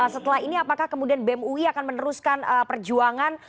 setelah ini apakah kemudian bem ui akan meneruskan perjuangan